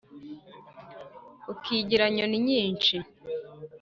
ukigira nyoni-nyinshi